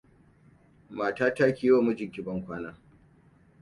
Mata ta, ki yiwa mijinki bankwana.